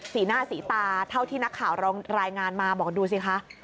สีหน้าสีตาเท่าที่นักข่าวเรารายงานมาบอกดูสิคะ